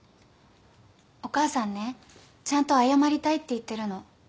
お母さんねちゃんと謝りたいって言ってるの。